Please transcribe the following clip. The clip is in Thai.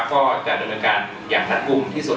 ก็จะโดยการอย่างทันกุมที่สุด